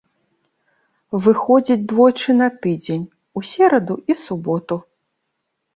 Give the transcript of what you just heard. Выходзіць двойчы на тыдзень, у сераду і суботу.